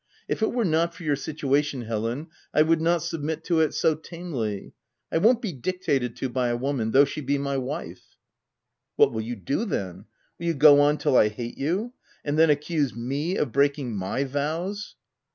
If it were not for your situation Helen, I would not submit to it so tamely. I won't be dictated to by a woman, though she be my wife." " What will you do then ? Will you go on till I hate you ; and then accuse me of breaking my vows?"